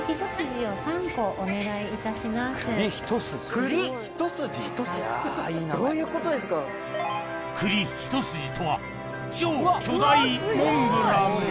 栗一筋とは超巨大モンブラン